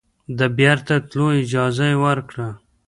د بیرته تللو اجازه یې ورکړه.